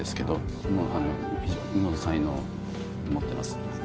非常に才能持ってます。